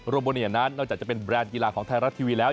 โมเนียนั้นนอกจากจะเป็นแบรนด์กีฬาของไทยรัฐทีวีแล้ว